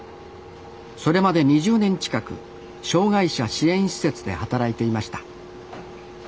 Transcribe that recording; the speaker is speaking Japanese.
それまで２０年近く障がい者支援施設で働いていました。